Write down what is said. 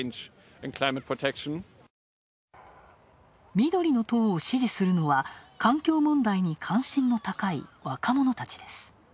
緑の党を支持するのは環境問題に関心の高い若者たちです。